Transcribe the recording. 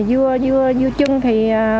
dưa dưa chưng thì bốn bốn mươi